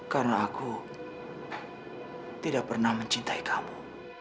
karena aku tidak pernah mencintai kamu